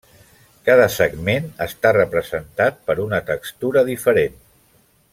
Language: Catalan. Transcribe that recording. Cada segment està representat per una textura diferent.